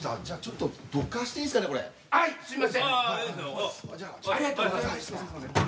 じゃあちょっとどかしていいっすかね？